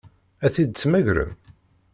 Ad t-id-temmagrem?